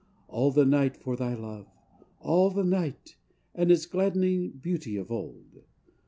All the night for thy love, all the night! and its gladdening Beauty of old.